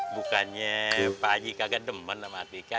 bukannya pak haji kagak demen sama atika